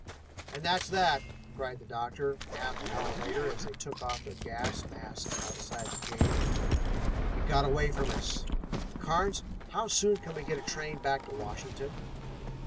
"And that's that!" cried the doctor half an hour later as they took off their gas masks outside the cave. "It got away from us. Carnes, how soon can we get a train back to Washington?"